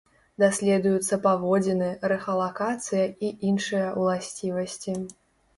Даследуюцца паводзіны, рэхалакацыя і іншыя ўласцівасці.